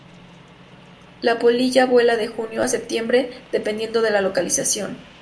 La polilla vuela de junio a septiembre dependiendo de la localización.